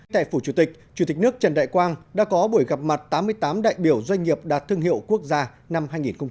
tại phủ chủ tịch chủ tịch nước trần đại quang đã có buổi gặp mặt tám mươi tám đại biểu doanh nghiệp đạt thương hiệu quốc gia năm hai nghìn một mươi chín